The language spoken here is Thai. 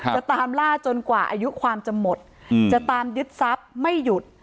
จะตามล่าจนกว่าอายุความจะหมดจะตามยึดทรัพย์ไม่หยุด